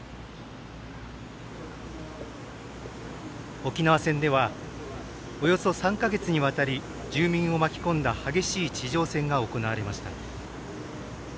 沖縄戦ではおそよ３か月にわたり住民を巻き込んだ激しい地上戦が行われました。